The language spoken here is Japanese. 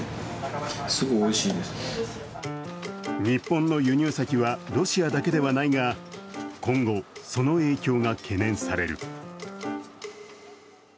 日本の輸入先はロシアだけではないが、今後、その影響が懸念される。